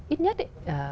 ít nhất ấy